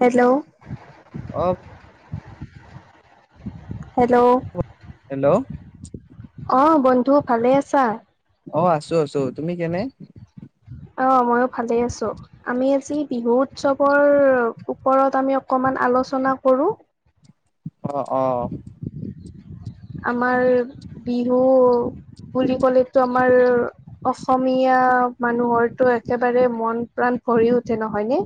Hello. অ hello, hello আহ বন্ধু ভালে আছা? অ', আছোঁ, আছোঁ, তুমি কেনে? অ', ময়ো ভালে আছোঁ, আমি আজি বিহু উৎসৱৰ ওপৰত আমি অকমান আলোচনা কৰোঁ। অ', অ', [inaudible] আমাৰ বিহু বুলি ক'লেটো, আমাৰ অসমীয়া মানুহৰটো একেবাৰে মন প্ৰাণ ভৰি উঠে নহয় নে!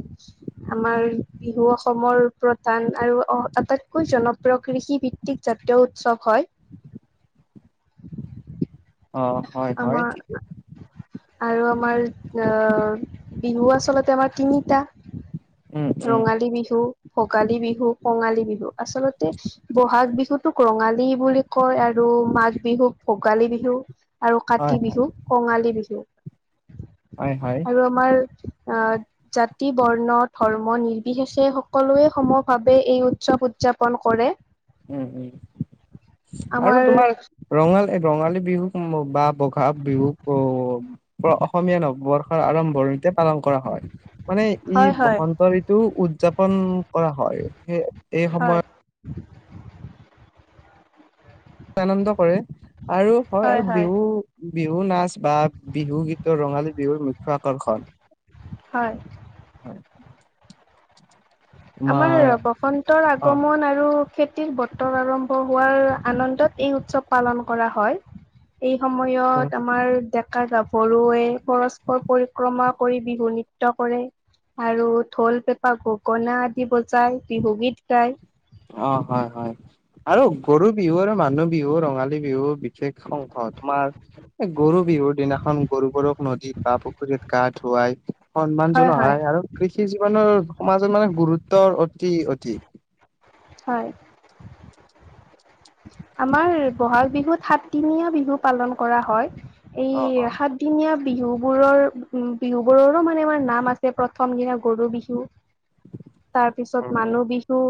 আমাৰ বিহু অসমৰ প্ৰধান আৰু অ আটাইতকৈ জনপ্ৰিয় কৃষিভিত্তিক জাতীয় উৎসৱ হয়। অ, হয়, হয়, আমাৰ ঠিকে। আৰু আমাৰ, বিহু আচলতে আমাৰ তিনিটা। উম উম ৰঙালী বিহু, ভ ভোগালী বিহু, কঙালী বিহু। আচলতে বহাগ বিহুটোক ৰঙালী বুলি কয় আৰু মাঘ বি বিহুক ভোগালী বিহু, আৰু হয় কাতি বিহুক কঙালী বিহু হয় হয় আৰু আমাৰ আহ, জাতি বৰ্ণ, ধৰ্ম নিৰ্বিশেষে সকলোৱে সমভাৱে এই উৎসৱ উদযা্পন কৰে। উম, উম, আৰু আমাৰ তোমাৰ ৰঙালী, ৰঙালী বিহুক বা বহাগ বিহুক অসমীয়া বৰ্ষৰ আৰম্ভণিতে পালন কৰা হয়। মানে ই হয় হয় বসন্ত ঋতু উদযাপন কৰা হয় স এই হয় সময়ত [inaudible] আনন্দ কৰে আৰু হয় আৰু বিহু বিহু নাচ বা বিহু গীতৰ ৰঙালী বিহুৰ মুখ্য আকৰ্ষণ। হয়। হয়। আমাৰ তোমাৰ বসন্তৰ অ আগমন আৰু খেতিৰ বতৰ আৰম্ভ হোৱাৰ আনন্দত এই উৎসৱ পালন কৰা হয়। এই সময়ত আমাৰ দে কা গাভৰুৱে পৰস্পৰ পৰিক্ৰমা কৰি বিহু নৃত্য কৰে। আৰু ঢোল, পেঁপা, গগনা আদি বজাই বিহুগীত গায়। অ', হয় - হয়, আৰু গৰু বিহু আৰু মানুহ বিহু ৰঙালী বিহু সেই খন ক' তোমাৰ এই গৰু বিহুৰ দিনাখন গৰু গৰুক নদীত বাঁ পুখুৰীত গা ধুৱাই সন্মান জনোৱা হয় আৰু কৃষি জীৱনৰ সমাজত মানে গুৰুত্বৰ অতি অধিক হয় আমাৰ বহাগ বিহুত সাতদিনীয়া বিহু পালন কৰা হয়। এই অ অ সাতদিনীয়া বিহু বোৰৰ উম, বিহু বোৰৰো মানে আমাৰ নাম আছে প্ৰথম দিনা গৰু বিহু। তাৰ পিছত উম মানুহ বিহু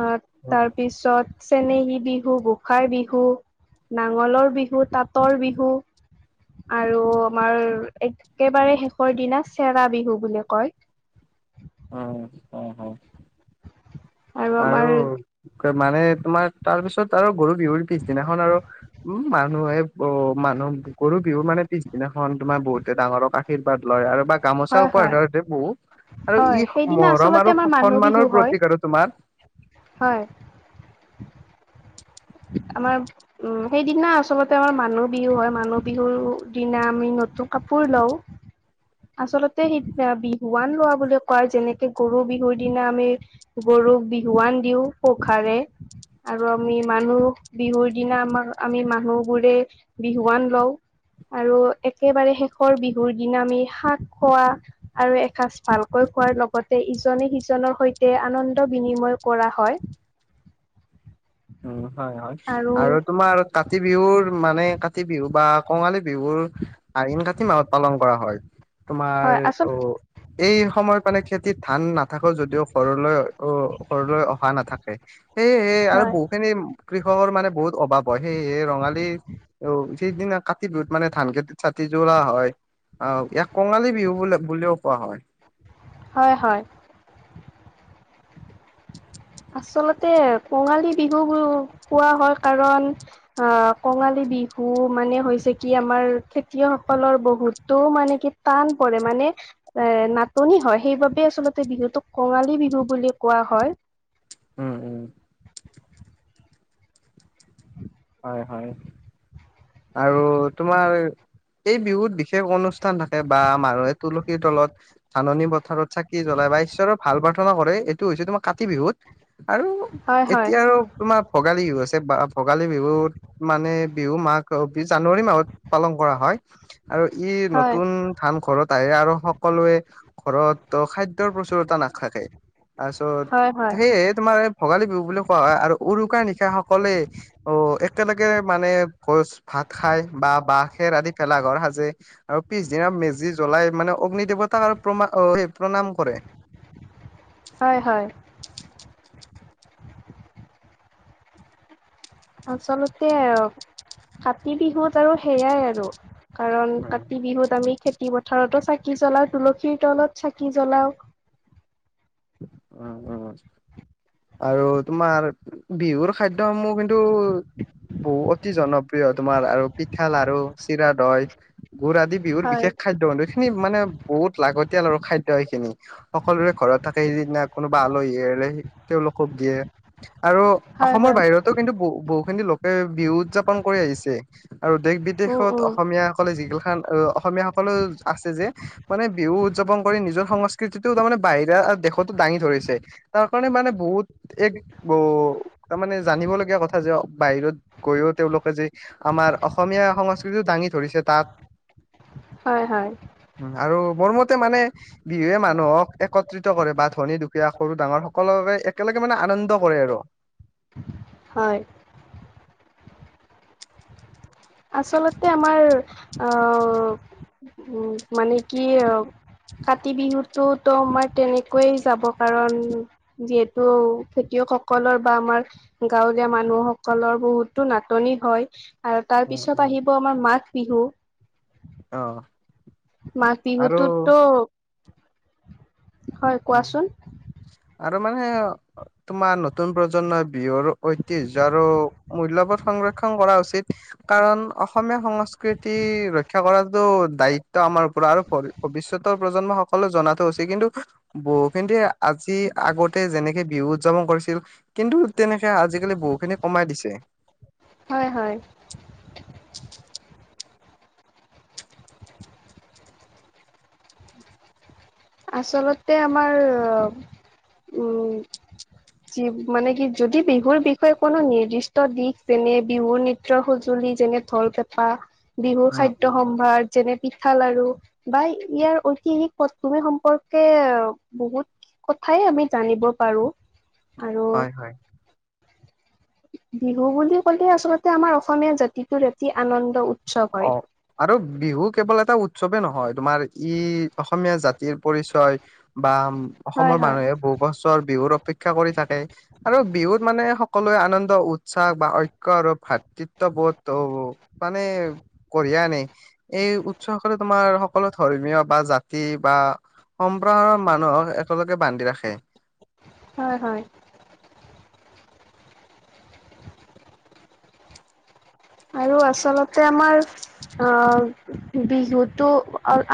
অ', উম তাৰ পিছত চেনেহী বিহু, গোসাঁই বিহ, নাঙলৰ বিহু, তাঁতৰ বিহু আৰু আমাৰ একেবাৰে শেষৰ দিনা চেৰা বিহু বুলি কয় অ', অ', হ, আৰু মানে তোমাৰ তাৰ পিছত আৰু গৰু বিহুৰ পিছদিনাখন আৰু উম মানুহে অ মানুহ গৰু বিহু মানে পিছদিনাখন তোমাৰ বহুতে ডাঙৰক আশীৰ্বাদ লয় আৰু বাকী গামোচা হয় [unintelligible] হয় দিয়ে বহু আৰু হয় ই সেইদিনা মৰম আৰু আচলতে আমাৰ মানুহ সন্মানৰ বিহু হয়, প্ৰতীক আৰু তোমাৰ। হয়। আমাৰ উম, সেইদিনা আচলতে আমাৰ মানুহ বিহু হয়। মানুহ বিহুৰ দিনা আমি নতুন কাপোৰ লওঁ। আচলতে সেই বিহুৱান লোৱা বুলি কোৱা যেনে গৰু বিহুৰ দিনা আমি গৰুক বিহুৱান দিও পঘাৰে। আৰু আমি মানুহ বিহুৰ দিনা আমাক আমি মানুহবোৰে বিহুৱান লওঁ। আৰু একেবাৰে শেষৰ বিহুৰ দিনা আমি শাক খোৱা আৰু এসাঁজ ভালকৈ খোৱাৰ লগতে ইজনে সিজনৰ সৈতে আনন্দ বিনিময় কৰা হয় উম, হয় - হয় আৰু তোমাৰ কাতি বিহুৰ মানে কাতি বিহু বা কঙালী বিহুৰ আইন কাঠি মাহত পালন কৰা হয়, তোমাৰ হয় আচল অ', এই সময় মানে খেতিত ধান নাথাকো যদিও সৰলৈ অ, সৰলৈ অহা নাথাকে সে সেই আৰু হয় খিনি কৃষকৰ মানে বহুত অভাৱ হয় সেইয়ে ৰঙালী সিদিনা কাতি বিহুত মানে ধান য়াতে ছাতি যোৰা হয় অ', ইয়াক কঙালী বিহু বোলে বুলিও কোৱা হয়। হয় - হয়, আচলতে কঙালী বিহু কোৱা হয় কাৰণ অ', কঙালী বিহু মানে হৈছে, কি আমাৰ খেতিয়কসকলৰ বহুতো মানে টান পৰে মানে, এ নাটনি হয়। সেইবাবে আচলতে বিহুটোক কঙালী বিহু বুলি কোৱা হয়। উম্ উম্ হয় হয় আৰু তোমাৰ এই বিহুত বিশেষ অনুষ্ঠান থাকে। বা মানুহে তুলসীৰ তলত ধাননি পথাৰত চাকি জ্বলাই। বা ঈশ্বৰক ভাল প্ৰাৰ্থনা কৰে। এইটো হৈছে তোমাৰ কাতি বিহুত। আৰু হয় হয় এতিয়া আৰু তোমাৰ ভোগালীও আছে বা ভোগালী বিহুত মানে বিহু মাঘ জানুৱাৰী মাহত পালন কৰা হয় আৰু ই হয় নতুন ধান ঘৰত আহ আৰু সক সকলোৱে ঘৰততো খাদ্যৰ প্ৰচুৰতা নাথাকে। তাৰপিছত হয় হয় সেয়ে তোমাৰ ভোগালী বিহু বুলি কোৱা হয় আৰু উৰুকাৰ নিশা সকলে একেলগে মানে ভোজ ভাত খাই বা বাঁহ খেৰ আদি ভেলা ঘৰ সাজে আৰু পি পিছদিনা মেজি জ্বলাই মানে অগ্নি দেৱতাক আৰু প্ৰমা প্ৰণাম কৰে। হয় হয়। আচলতে অক কাতি বিহুত আৰু সেইয়াই আৰু কাৰণ কাতি বিহুত আমি খেতি পথাৰতো চাক চাকি জ্বলাওঁ। তুলসীৰ তলত চাকি জ্বলাওঁ। উ্ উ্ আৰু তোমাৰ বিহুৰ খাদ্য সমূহ কিন্তু বহু অতি জনপ্ৰিয়, তোমাৰ আৰু পিঠা, লাৰু, চিৰা-দৈ। গু়ৰ আদি বিহুৰ হয় বিশেষ খাদ্য [unintelligible] এইেইখিনি মানে বহুত লাগ তেলৰ খাদ্য এখিনি সকলোৰে ঘৰত থাকে সেইদিনা কোনোবা আলহী আহিলে তেওঁলোকক দিয়ে আৰু হয় অসমৰ হয় বাহিৰতো কিন্তু বহু বহুখিনি লোক- বিহু উদযাপন কৰি আহিছে। আৰু দেশ উম বিদেশত উম অসমীয়াসকলে যিগিলাখান আহ অসমীয়াসকলেও আছে যে মানে বিহু উদযাপন কৰি নিজৰ সংস্কৃতিটো তাৰমানে বাহিৰা দেশতো দাঙি ধৰিছে তাৰ কাৰণে মানে বহুত এক অ, তাৰমানে জানিবলগীয়া কথা যে বাহিৰত গৈও তেওঁলোকে যে আমাৰ অসমীয়া সংস্কৃতি দাঙি ধৰিছে তাত [inaudible] হয় - হয় আৰু মোৰ মতে মানে বিহুৱে মানুহক একত্ৰিত [unintelligible] কৰে বা ধনী দুখীয়া সৰু ডাঙৰ সকলোৱে একেলগে মানে আনন্দ কৰে আৰু। হয়। আচলতে আমাৰ, আহ উ মানে কি কাতি বিহুতোতো আমাৰ তেনেকয়ে যাব কাৰণ যিহেতু খেতিয় সকলৰ বা আমাৰ গাঁৱলীয়া মানুহসকলৰ বহুতো নাটনি হয়। তাৰ উম পিছত উম। আহিব আমাৰ মাঘ বিহু অ'। আৰু মাঘবিহুতোটো হয় কোৱাচোন। ত মানে তোমাৰ নতুন প্ৰজন্মই বিহুৰ ঐতিহ্য আৰু মূল্যবোধ সংৰক্ষন কৰা উচিত। কাৰণ অসমীয়া সংস্কৃতি ৰক্ষা কৰাটো দায়িত্ব আমাৰ ওপৰত আৰু বিশ্বতৰ প্ৰজন্ম সকলোৱো জনাতো কিন্তু বহুখিনিয়ে আজি আগতে যেনেকে বিহু উদযাপন কৰিছিল কিন্তু তেনেকে আজিকালি বহুখিনি কমাই দিছে। হয় হয়। আচলতে আমাৰ উম। মানে কি যদি বিহুৰ বিষয়ে কোনো নিৰ্দিষ্ট দিশ যেনে বিহুৰ নৃত্য সুজ যেনে ধল পেঁপা বিহুৰ উম খাদ্য উম। সম্ভাৰ যেনে পিঠা লাাৰু বা ইয়াৰ ঐতিহাসিক পটভূমি সম সম্পৰ্কে বহুত কথাই আমি জানিব পাৰো। আৰু হয় হয়। বিহু বুলি ক'লে আচলতে আমাৰ অসমীয়া জাতিটোৰ এটি আনন্দ উ অ', আৰু বিহু কেৱল এটা উৎসৱে নহয় তোমাৰ ই অসমীয়া জাতিৰ পৰিচয় বা হয় অসমৰ হয় মানুহে বহু বছৰ বিহুৰ অপেক্ষা কৰি থাকে আৰু বিহুত মানে সকলোৱে আনন্দ উৎসাহ বা ঐক্য আৰু ভাতৃত্ববোধ মানে কঢ়িয়াই আনে এই উৎসকলে তোমাৰ সকলো ধৰ্মীয় বা জাতি বা সম্প্ৰসাৰণ মানুহক একেলগে বান্ধি ৰাখে। হয় হয়। আৰু আচলতে আমাৰ অ', বিহুতটো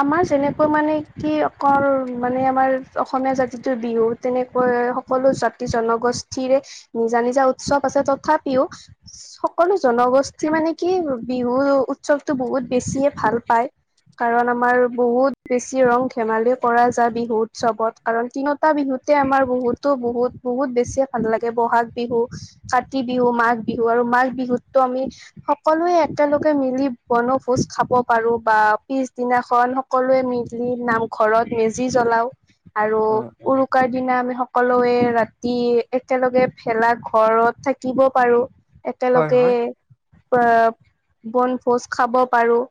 আমাৰ যেনে তেনেকৈ মানে কি অকল মানে আমাৰ অসমীয়া জাতিটোৰ বিহু তেনেকৈ সকলো জা জনগোষ্ঠিৰে নিজা নিজা উৎসৱ আছে, তথাপিও সকলো জনগোষ্ঠী মানে কি বিহু উৎসৱতটো বহুত বেছিয়ে ভাল পায়। কাৰণ আমাৰ বহুত বেছি ৰং ধেমালি কৰা যায় বিহু উৎসৱত কাৰণ তিনিটা বিহুত আমাৰ বহুতো বহুত বহুত বেছিয়ে ভাল লাগে ব'হাগ বিহু কাতি বিহু মাঘ বিহু আৰু মাঘ বিহুতটো আমি সকলোৱে একেলগে মিলি বনভোজ খাব পাৰো বা পিছদিনাখন সকলোৱে নাম ঘৰত মেজি জ্বলাওঁ, আৰু উম উম উৰুকাৰ দিনা আমি সকলয়ে ৰাতি একেলগে ভেলাঘৰত থাকিব পাৰো হয় একেলগে হয় আ, বনভোজ খাব পাৰোঁ।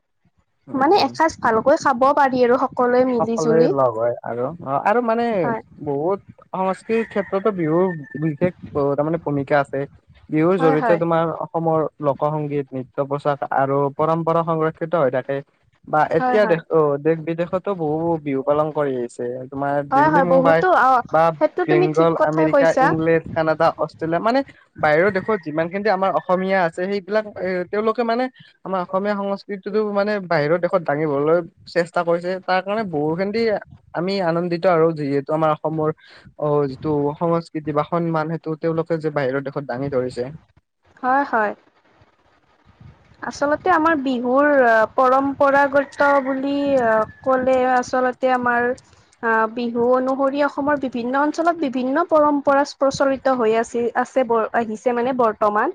উম মানে উম এসাঁজ ভালকৈ খাব পাৰি আৰু সকলোৱে মিলি সকলোৱে জুলি লগ হয় আৰু অ', আৰু মানে, হয় বহুত সংস্কৃতিক ক্ষেত্ৰটো বিহু বিশেষ তাৰ মানে ভূমিকা আছে। বিহুৰ হয় জৰিয়তে হয় তোমাৰ অসমৰ লোক সংগীত নৃত্য পোচাক আৰু পৰম্পৰা সংৰক্ষিত হৈ থাকে। বা হয় এতিয়া হয় দেশ অ', দেশ বিদেশতো বহু বিহু পালন কৰি আহিছে। তোমাৰ হয় দিল্লী, হয় মুম্বাই বহুতো অ বা সেইটো তুমি ঠিক বেংগল, কথাই আমেৰিকা, কৈছা ইংলেণ্ড, কানাডা, অষ্টে লিয়া মানে বাহিৰৰ দেশত যিমানখিনি আমাৰ অসমীয়া আছে। সেইবিলাক এ তেওঁলোকে মানে আমাৰ অসম অসমীয়া সংস্কৃতিটো মানে বাহিৰৰ দেশত দাঙিবলৈ চেষ্টা কৰিছে। তাৰ কাৰণে বহু খিনি আমি আনন্দিত আৰু যিহেতু আমাৰ অসমৰ অ', যিটো সংস্কৃ তি বা সন্মান সেইটো তেওঁলোকে যে বাহিৰৰ দেশত দাঙি ধৰিছে। হয়', হয়'। আচলতে আমাৰ বিহুৰ পৰম্পৰাগত বুলি ক'লে আচল তে আমাৰ বিহু অনুসৰি অসমৰ বিভিন্ন অঞ্চলত বিভিন্ন পৰম্পৰা ইচ প্ৰচলিত হৈ আছিল আছে আহিছে মানে বৰ্তমান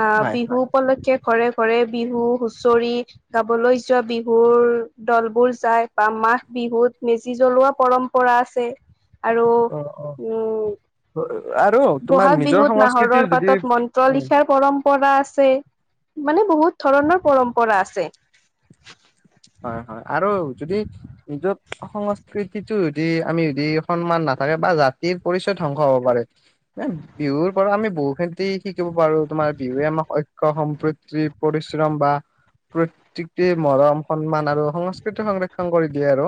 আহ হয় বিহু হয়। উপলক্ষে ঘৰে ঘৰে বিহু হুচৰি গাবলৈ যোৱা বিহুৰ দল বোৰ যায় বা মাঘ বিহুত মেজি জ্বলোৱা পৰম্পৰা আছে। আৰু অ অ উম' আৰু তোমাৰ বহাগ নিজৰ বিহুত সংস্কৃতিৰ নাহৰৰ যদি পাতত মন্ত্ৰ উম লিখাৰ পৰম্পৰা আছে। মানে বহুত ধৰণৰ পৰম্পৰা আছে। হয়', হয়', আৰু যদি নিজৰ সংস্কৃতিটো যদি আমি যদি সন্মান নাই থাকে বা জাতিৰ পৰিচয় ধ্বংস হ'ব পাৰে। বিহুৰ পৰা আমি বহু খিনতি শিকিব পাৰো। তোমাৰ বিহুৱে আমাক ঐক্য, সম্প্ৰীতি, পৰিশ্ৰম বা প্ৰত্যেকে মৰম সন্মান আৰু সংস্কৃতি সংৰক্ষণ কৰি দিয়ে আৰু,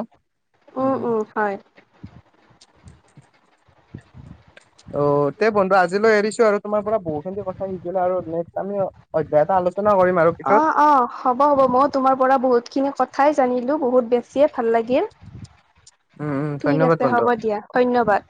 উম, উম, হয়। [inaudible] [inaudible] অ তে বন্ধু আজিলৈ এৰিছো আৰু তোমাৰ পৰা বহুতখিনি কথা শিকিলোঁ আৰু নেক্স আমি অধ্যয়নৰ আলোচনা না কৰিম আৰু অ', পিছত অ হ'ব হ'ব ময়ো তোমাৰ পৰা বহুত খিনি কথাই জানিলোঁ বহুত বেছিয়ে ভাল লাগিল। উম, উম ঠিক ধন্যবাদ আছে বন্ধু। হ'ব দিয়া। ধন্যবাদ।